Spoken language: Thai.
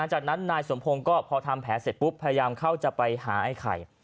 จากนั้นนายสมพงศ์ก็พอทำแผลเสร็จปุ๊บพยายามเข้าจะไปหาไอ้ไข่